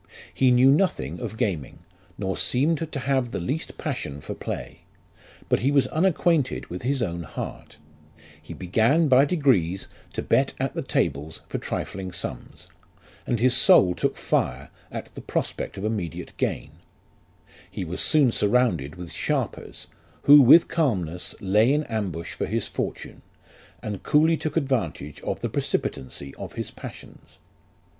He knew nothing of gaming, nor seemed to have the least passion for play ; but he was unacquainted with his own heart ; he began by degrees to bet at the tables for trifling sums, and his soul took fire at the prospect of immediate gain : he was soon surrounded with sharpers, who with calmness lay in ambush for his fortune, and coolly took advantage of the precipitancy of his passions.